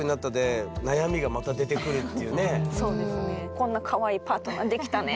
「こんなかわいいパートナーできたねん」